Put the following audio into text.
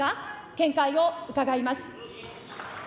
見解を伺います。